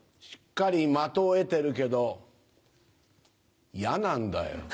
しっかり的を得てるけどヤなんだよ。